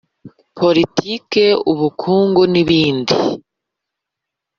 poritiki, ubukungu ni bindi.